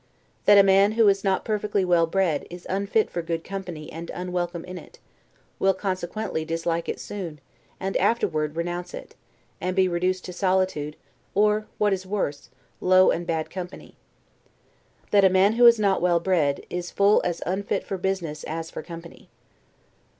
That a man, Who is not perfectly well bred, is unfit for good company and unwelcome in it; will consequently dislike it soon, afterward renounce it; and be reduced to solitude, or, what is worse, low and bad company. That a man who is not well bred, is full as unfit for business as for company.